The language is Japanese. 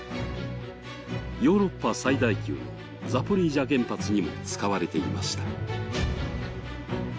ヨーロッパ最大級のザポリージャ原発にも使われていました。